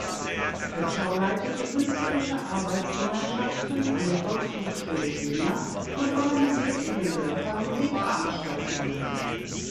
Kötschau leitete künstlerische Arbeitsgemeinschaften an der Volkshochschule Jena und organisierte in den Dörfern Musikveranstaltungen.